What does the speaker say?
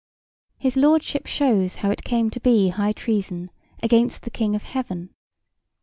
J.B.). His Lordship shews how it comes to be High Treason against the King of Heaven.